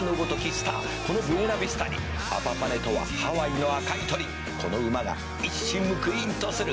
スターこのブエナビスタにアパパネとはハワイの赤い鳥この馬が一矢報いんとする」